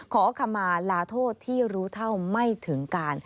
ขอขมาลาโทษที่รู้เท่าไม่ถึงการ